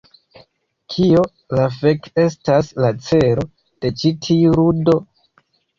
Kio la fek estas la celo de ĉi tiu ludo?